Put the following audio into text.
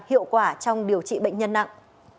hiệu quả trong điều trị bệnh nhân nặng